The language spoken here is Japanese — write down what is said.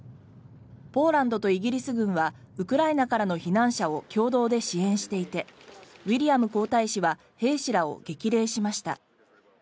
ポーランドとイギリス軍はウクライナからの避難者を共同で支援していてウィリアム皇太子は兵士らを激励しました。